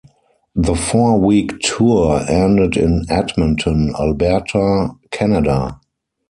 The four-week tour ended in Edmonton, Alberta, Canada.